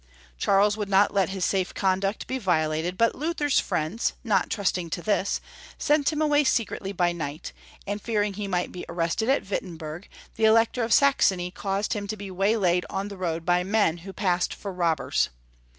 Charles would not let his safe conduct be violated, but Luther's friends, not trusting to this, sent him away secretly by night, and fearing he might be ar rested at Wittenberg, the Elector of Saxony caused him to be waylaid on the road by men who passed for robbers.